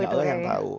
hanya allah yang tahu